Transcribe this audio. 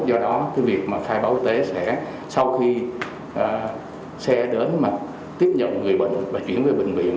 do đó việc khai báo tế sẽ sau khi xe đến tiếp nhận người bệnh và chuyển về bệnh viện